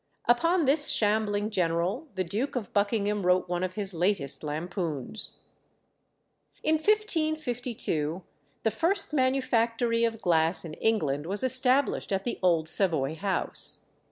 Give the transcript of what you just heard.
Upon this shambling general the Duke of Buckingham wrote one of his latest lampoons. In 1552 the first manufactory of glass in England was established at the old Savoy House.